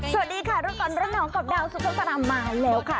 สวัสดีค่ะรุ่นตอนรับหนองกับดาวสุขศรรย์มาแล้วค่ะ